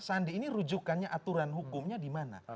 sandi ini rujukannya aturan hukumnya di mana